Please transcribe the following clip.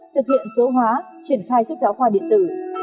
thực hiện số hóa triển khai sách giáo khoa điện tử